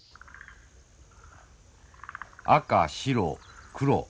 赤白黒。